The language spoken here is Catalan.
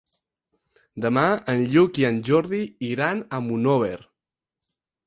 Demà en Lluc i en Jordi iran a Monòver.